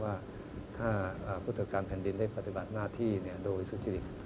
ว่าถ้าพุทธการแผ่นดินได้ปฏิบัติหน้าที่โดยสุจิฐิกษ์